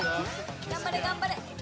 頑張れ頑張れ。